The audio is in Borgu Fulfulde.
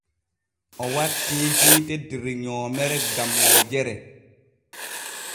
O wattii hiite der nyoomere gam wojere.